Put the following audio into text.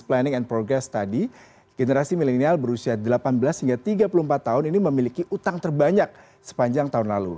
planning and progress tadi generasi milenial berusia delapan belas hingga tiga puluh empat tahun ini memiliki utang terbanyak sepanjang tahun lalu